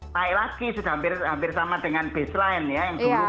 lagi lagi sudah hampir sama dengan baseline ya